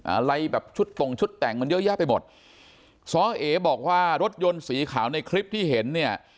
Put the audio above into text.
อะไรแบบชุดตรงชุดแต่งมันเยอะแยะไปหมดซ้อเอบอกว่ารถยนต์สีขาวในคลิปที่เห็นเนี่ย